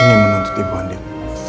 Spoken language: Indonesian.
ini menuntut ibu andim